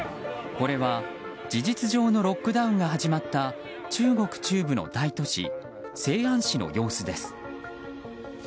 これは事実上のロックダウンが始まった中国中部の大都市西安市の様子です。